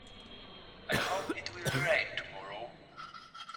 I hope it will rain tomorrow.